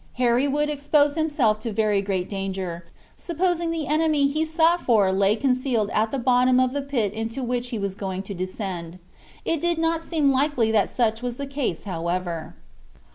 Harry would expose himself to very great danger, supposing the enemy he sought for lay concealed at the bottom of the pit into which he was going to descend. It did not seem likely that such was the case, however.